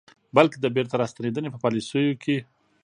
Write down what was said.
بلکې د بیرته راستنېدنې په پالیسیو کې